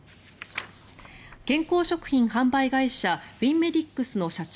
健康食品販売会社ウィンメディックスの社長